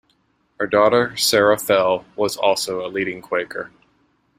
Her daughter Sarah Fell was also a leading Quaker.